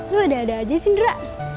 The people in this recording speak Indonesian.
loh ada ada aja sih ndra